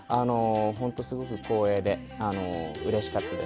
本当すごく光栄でうれしかったです。